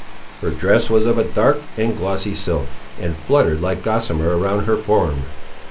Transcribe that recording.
Her dress was of a dark and glossy silk, and fluttered like gossamer around her form.